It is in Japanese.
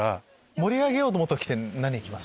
盛り上げようと思った時何行きます？